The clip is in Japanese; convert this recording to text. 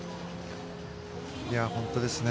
本当ですね。